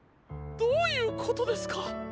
どういうことですか？